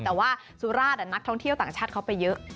แต่ว่าสุราชนักท่องเที่ยวต่างชาติเขาไปเยอะ